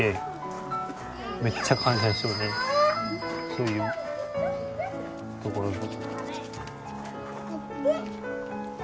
そういうところに。